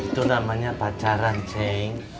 itu namanya pacaran ceng